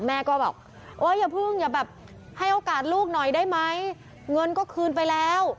แม่ก็บอกอย่าเพิ่งให้โอกาสลูกหน่อยได้ไหมเงินก็คืนไปแล้ว